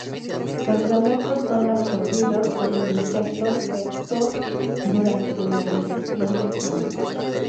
Los gametos son absorbidos por el insecto vector durante la ingestión de sangre.